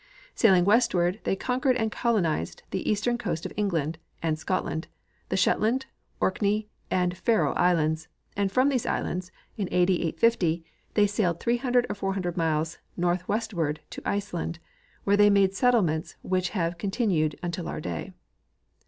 Sailing west ward, they conquered and colonized the eastern coast of England and Scotland, the Shetland, Orkney and Faroe islands, and from these islands, in A D 850, they sailed 300 or 400 miles northwest ward to Iceland, where they made settlements which have contin ued until our day.